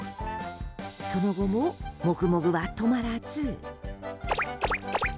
その後もモグモグは止まらず。